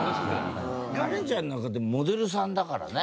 カレンちゃんなんかでもモデルさんだからね！